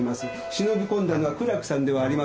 忍び込んだのは苦楽さんではありません。